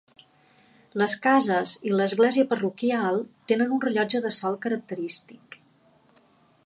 Les cases i l'església parroquial tenen un rellotge de sol característic.